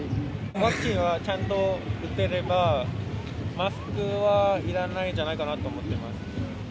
ワクチンをちゃんと打ってればマスクはいらないじゃないかなと思ってます。